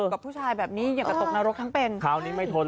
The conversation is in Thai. กับผู้ชายแบบนี้อย่ากระตกนรกทั้งเป็นคราวนี้ไม่ทน